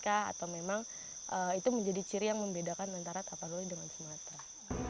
atau memang itu menjadi ciri yang membedakan antara tapanuli dengan sumatera